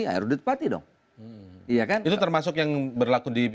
pertanyaan mana tadi